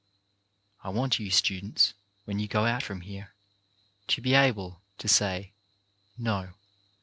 " I want you students, when you go out from here, to be able to say "No.